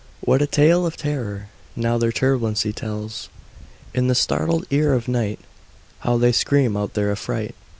What a tale of terror now their turbulency tells! In the startled ear of night How they scream out their affright!